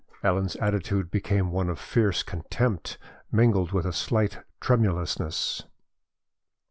Ellen's attitude became one of fierce contempt mingled with a slight tremulousness.